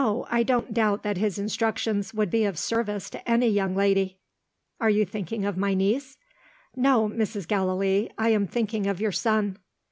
I don't doubt that his instructions would be of service to any young lady." "Are you thinking of my niece?" "No, Mrs. Gallilee. I am thinking of your son."